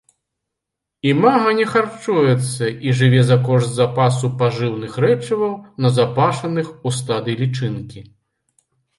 Імага не харчуецца і жыве за кошт запасу пажыўных рэчываў, назапашаных у стадыі лічынкі.